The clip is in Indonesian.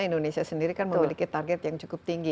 indonesia sendiri kan memiliki target yang cukup tinggi